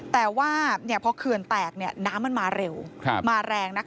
แต่ว่าพอเขื่อนแตกน้ำมันมาเร็วมาแรง